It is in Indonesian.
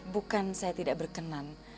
bukan saya tidak berkenan